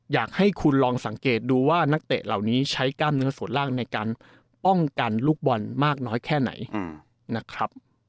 อยากให้คุณลองสังเกตดูว่านักเตะเหล่านี้ใช้กล้ามเนื้อส่วนล่างในการป้องกันลูกบอลมากน้อยแค่ไหนนะครับ